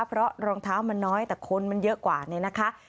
เพราะรองเท้ามันน้อยแต่คนมันเยอะกว่านี้นะคะ